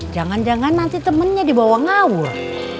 jangan jangan nanti temennya dibawa ngawur